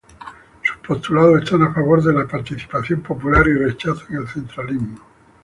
Sus postulados están a favor de la participación popular y rechazan el centralismo.